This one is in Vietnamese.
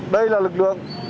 đây là lực lượng